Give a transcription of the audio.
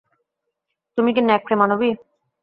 তুমি কি নেকড়েমানবী?